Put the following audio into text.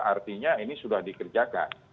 artinya ini sudah dikerjakan